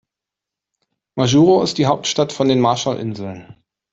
Majuro ist die Hauptstadt von den Marshallinseln.